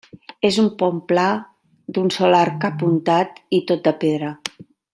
És un pont pla d'un sol arc apuntat, i tot de pedra.